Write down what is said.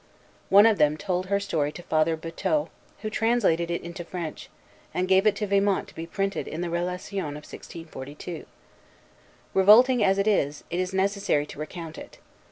One of them told her story to Father Buteux, who translated it into French, and gave it to Vimont to be printed in the Relation of 1642. Revolting as it is, it is necessary to recount it.